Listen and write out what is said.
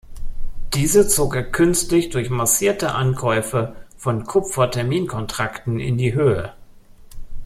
Diese zog er künstlich durch massierte Ankäufe von Kupfer-Terminkontrakten in die Höhe.